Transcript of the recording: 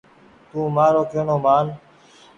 تو مآرو ڪيهڻو مان ۔